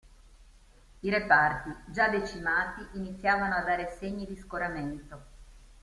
I reparti, già decimati, iniziavano a dare segni di scoramento.